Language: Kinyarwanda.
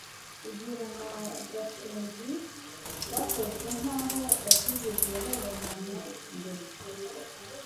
rugeyo na gashinzi bakoze nkaho batigeze babonana mbere